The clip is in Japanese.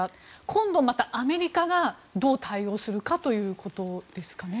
今度、またアメリカがどう対応するかということですかね。